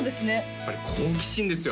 やっぱり好奇心ですよ